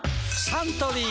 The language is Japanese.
サントリー